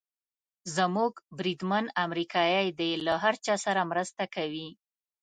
زموږ بریدمن امریکایي دی، له هر چا سره مرسته کوي.